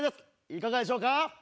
いかがでしょうか。